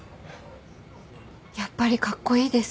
やっぱりカッコイイです。